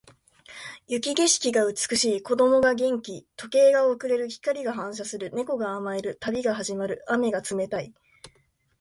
雪景色が美しい。子供が元気。時計が遅れる。光が反射する。猫が甘える。旅が始まる。雨が冷たい。